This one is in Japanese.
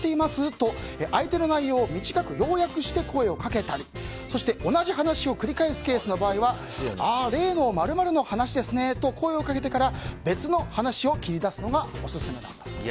と相手の内容を短く要約して声をかけたりそして同じ話を繰り返すケースの場合は例の○○の話ですねと声をかけてから別の話を切り出すのがオススメだそうです。